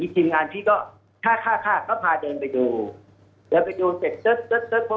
ทีมงานพี่ก็ค่าก็พาเดินไปดู